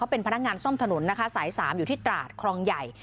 เป็นพนักงานซ่อมถนนนะคะสาย๓อยู่ที่ตราดคลองใหญ่